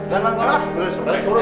nah mak harus dikitu kituin dulu